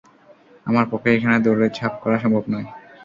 আমার পক্ষে এখানে দৌঁড়-ঝাপ করা সম্ভব নয়।